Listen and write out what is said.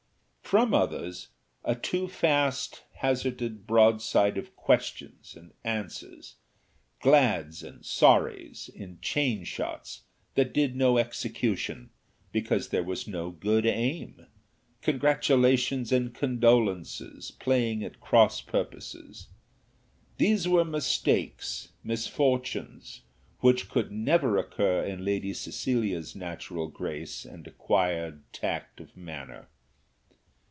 From others, a too fast hazarded broadside of questions and answers glads and sorrys in chain shots that did no execution, because there was no good aim congratulations and condolences playing at cross purposes These were mistakes, misfortunes, which could never occur in Lady Cecilia's natural grace and acquired tact of manner.